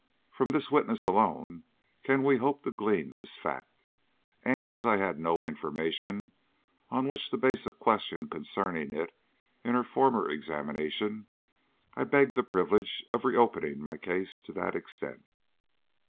From this witness alone can we hope to glean this fact; and as I had no information on which to base a question concerning it in her former examination, I beg the privilege of reopening my case to that extent."